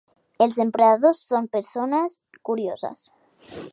Els emprenedors són persones curioses.